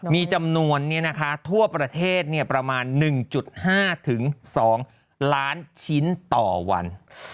มีจำนวนนี้นะคะทั่วประเทศเนี่ยประมาณ๑๕ถึง๒ล้านชิ้นต่อวัน